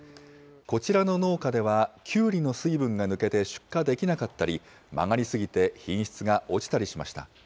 こちらの農家では、きゅうりの水分が抜けて出荷できなかったり、曲がり過ぎて品質が落ちたりしました。